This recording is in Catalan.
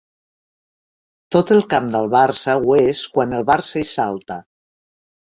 Tot el camp del Barça ho és quan el Barça hi salta.